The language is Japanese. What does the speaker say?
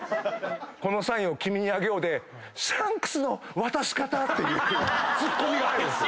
「このサインを君にあげよう」で「シャンクスの渡し方！」っていうツッコミが入るんですよ。